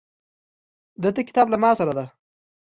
د ده کتاب له ماسره ده.